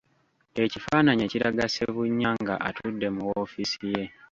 Ekifaananyi ekiraga Ssebunya nga atudde mu ofiisi ye.